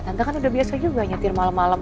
tante kan udah biasa juga nyetir malem malem